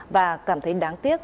và cảm thấy đáng tiếc